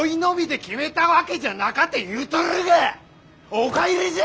お帰りじゃ。